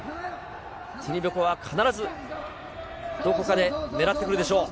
ティニベコワ、必ずどこかで狙ってくるでしょう。